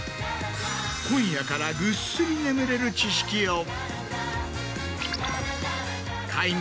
今夜からぐっすり眠れる知識を快眠